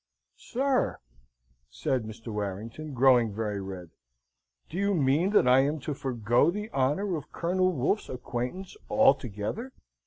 "Sir," said Mr. Warrington, growing very red, "do you mean that I am to forgo the honour of Colonel Wolfe's acquaintance altogether?"